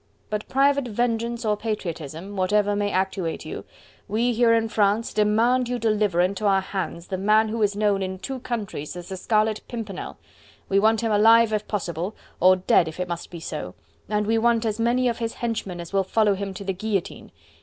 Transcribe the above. But private vengeance or patriotism, whatever may actuate you, we here in France demand you deliver into our hands the man who is known in two countries as the Scarlet Pimpernel! We want him alive if possible, or dead if it must be so, and we want as many of his henchmen as will follow him to the guillotine.